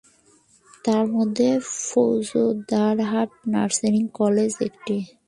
তার মধ্যে Faujdarhat nursing college একটি।